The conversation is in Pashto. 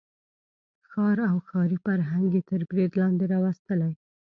ښار او ښاري فرهنګ یې تر برید لاندې راوستلی.